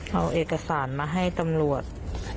เอาเอกสารมาให้ตำรวจ